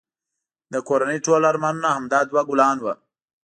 د کورنی ټول ارمانونه همدا دوه ګلان وه